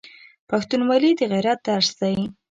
پښتونولي د غیرت درس دی.